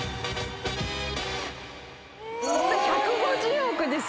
１５０億ですよ